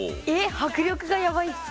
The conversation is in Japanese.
迫力がヤバいっす。